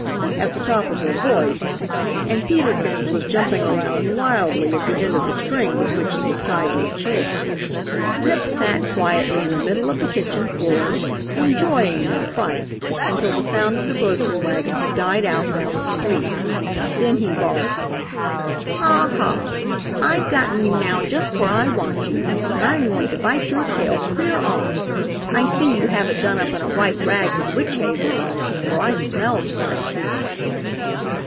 at the top of her voice, and Peter Kins was jumping around wildly at the end of the string with which he was tied to a chair. [Illustration: THE MONKEY WAS TRYING TO HIT HIM WITH THE EMPTY DIPPER (Page Seventy One)] Zip sat quietly in the middle of the kitchen floor, enjoying their fright until the sound of the grocery wagon had died out down the street. Then he barked, "Ha, ha! I've gotten you now just where I want you, and I am going to bite your tail clear off! I see you have it done up in a white rag with witch hazel on it, for I smell the stuff."